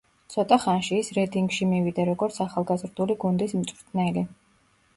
ცოტა ხანში ის რედინგში მივიდა როგორც ახალგაზრდული გუნდის მწვრთნელი.